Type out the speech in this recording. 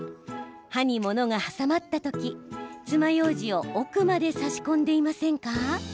歯にものが挟まった時つまようじを奥まで差し込んでいませんか？